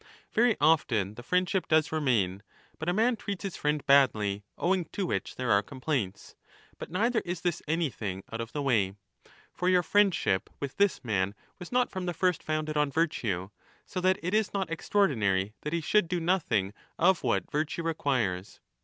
Very often the friendship does remain, but a man treats his friend badly, owing to which there are complaints ; but neither is this 25 anything out of the way, For your friendship with this man was not from the first founded on virtue, so that it is not extraordinary that he should do nothing of what virtue requires.